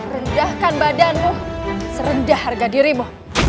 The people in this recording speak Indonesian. rendahkan badanmu serendah harga dirimu